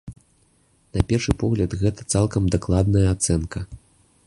На першы погляд, гэта цалкам дакладная ацэнка.